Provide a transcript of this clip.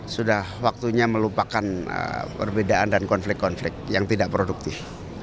sudah waktunya melupakan perbedaan dan konflik konflik yang tidak produktif